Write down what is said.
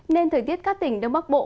nên thời tiết các tỉnh đông bắc bộ